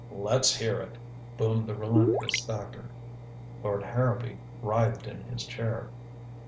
"Let's hear it," boomed the relentless Thacker. Lord Harrowby writhed in his chair.